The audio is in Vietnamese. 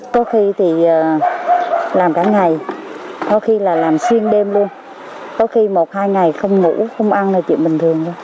có khi thì làm cả ngày có khi là làm xuyên đêm luôn có khi một hai ngày không ngủ không ăn là chuyện bình thường luôn